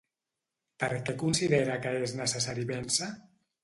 Per què considera que és necessari vèncer?